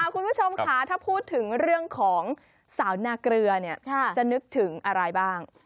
คุณผู้ชมค่ะถ้าพูดถึงเรื่องของสาวนาเกลือจะนึกถึงอะไรบ้าง